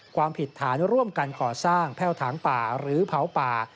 ความผิดฐานร่วมกันก่อสร้างแพ่วถางป่าหรือเผาป่า